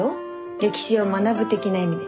歴史を学ぶ的な意味で。